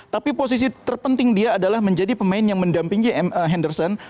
tapi posisi terpenting dia adalah menjadi pemain yang mendampingi henderson